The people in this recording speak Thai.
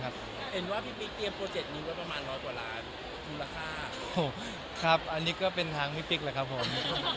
ครับทีนี้ก็เป็นทางพี่ปริกเลยครับผม